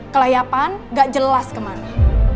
kelayapan gak jelas kemana